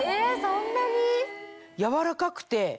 そんなに！